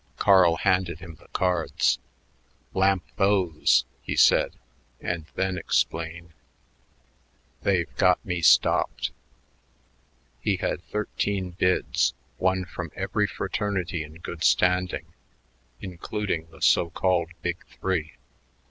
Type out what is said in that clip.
Carl handed him the cards. "Lamp those," he said, "and then explain. They've got me stopped." He had thirteen bids, one from every fraternity in good standing, including the so called Big Three.